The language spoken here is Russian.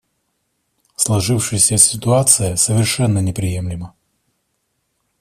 Сложившаяся ситуация совершенно неприемлема.